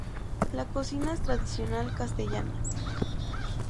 La cocina es tradicional castellana.